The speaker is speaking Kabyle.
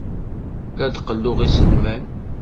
La d-qelluɣ iselman.